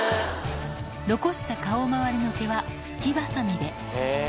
残した顔まわりの毛は、すきばさみで。